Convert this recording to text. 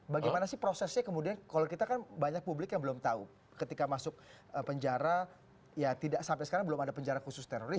bagaimana sih prosesnya kemudian kalau kita kan banyak publik yang belum tahu ketika masuk penjara ya tidak sampai sekarang belum ada penjara khusus teroris